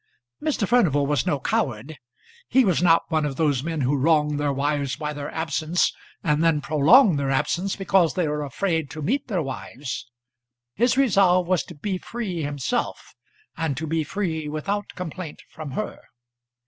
Mr. Furnival was no coward. He was not one of those men who wrong their wives by their absence, and then prolong their absence because they are afraid to meet their wives. His resolve was to be free himself, and to be free without complaint from her.